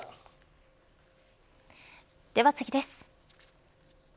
では次です。